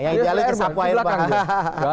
yang idealis itu sapu air bah airnya